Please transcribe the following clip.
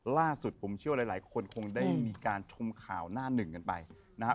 ล่าสุดผมเชื่อว่าหลายคนคงได้มีการชมข่าวหน้าหนึ่งกันไปนะครับ